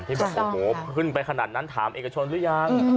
ที่อ๋อโห้ขึ้นไปขนาดนั้นถามเอกชนรึยัง